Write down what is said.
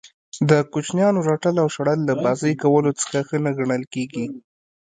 د کوچنیانو رټل او شړل له بازئ کولو څخه ښه نه ګڼل کیږي.